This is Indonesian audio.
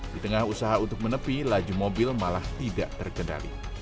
di tengah usaha untuk menepi laju mobil malah tidak terkendali